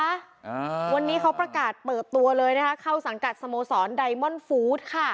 อ่าวันนี้เขาประกาศเปิดตัวเลยนะครับเข้าสังกัดสโมสรค่ะ